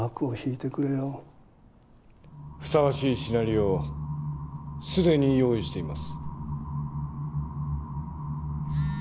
ふさわしいシナリオをすでに用意しています。